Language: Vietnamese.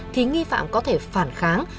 thì nghi phạm có thể phản kháng